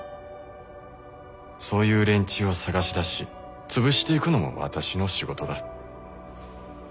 そういう連中を探し出しつぶしていくのも私の仕事だ。